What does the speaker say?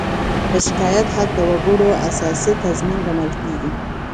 د شکایت حق د وګړو اساسي تضمین ګڼل کېږي.